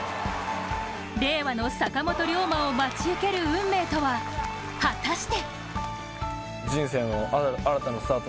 令和の坂本龍馬を待ち受ける運命とは、果たして？